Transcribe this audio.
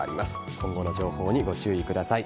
今後の情報にご注意ください。